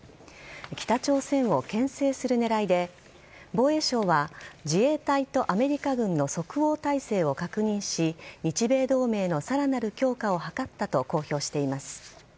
北朝鮮をけん制する狙いで防衛省は、自衛隊とアメリカ軍の即応態勢を確認し日米同盟のさらなる強化を図ったと公表しています。